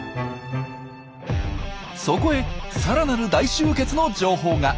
そこへさらなる大集結の情報が。